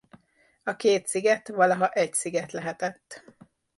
A két sziget valaha egy sziget lehetett.